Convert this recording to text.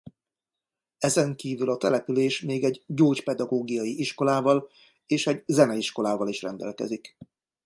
Ezen kívül a település még egy gyógypedagógiai iskolával és egy zeneiskolával is rendelkezik.